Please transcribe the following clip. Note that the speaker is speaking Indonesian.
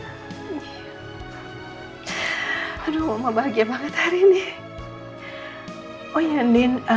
aduh bahagia banget hari ini